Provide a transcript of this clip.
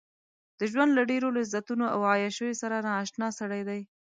د ژوند له ډېرو لذتونو او عياشيو سره نااشنا سړی دی.